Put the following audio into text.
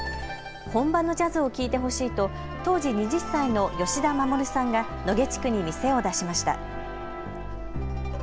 本場のジャズを聴いてほしいと同時２０歳の吉田衛さんが野毛地区に店を出しました。